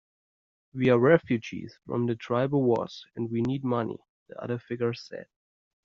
"We're refugees from the tribal wars, and we need money," the other figure said.